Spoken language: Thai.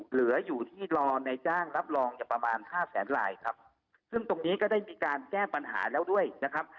เหลืออยู่ที่รอในจ้างรับรองเนี่ยประมาณห้าแสนลายครับซึ่งตรงนี้ก็ได้มีการแก้ปัญหาแล้วด้วยนะครับ